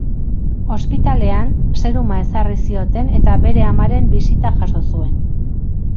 Ospitalean seruma ezarri zioten eta bere amaren bisita jaso zuen.